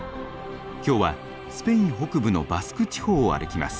今日はスペイン北部のバスク地方を歩きます。